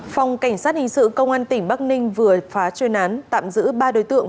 phòng cảnh sát hình sự công an tỉnh bắc ninh vừa phá chuyên án tạm giữ ba đối tượng